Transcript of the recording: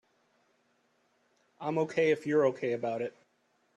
I'm OK if you're OK about it.